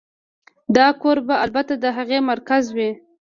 دا کور به البته د هغې مرکز وي